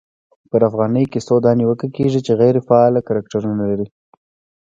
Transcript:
پرا فغانۍ کیسو دا نیوکه کېږي، چي غیري فعاله کرکټرونه لري.